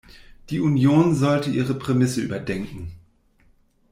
Die Union sollte ihre Prämisse überdenken.